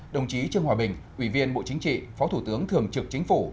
đồng chí trương hòa bình ủy viên bộ chính trị phó thủ tướng thường trực chính phủ